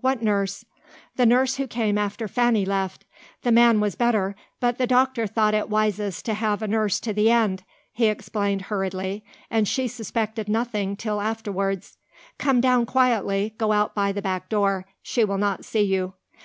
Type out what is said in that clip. "What nurse?" "The nurse who came after Fanny left. The man was better, but the doctor thought it wisest to have a nurse to the end," he explained hurriedly, and she suspected nothing till afterwards. "Come down quietly go out by the back door she will not see you."